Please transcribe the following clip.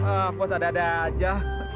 ah bos ada ada aja